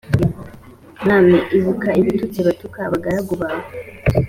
mwami ibuka ibitutsi batuka abagaragu bawe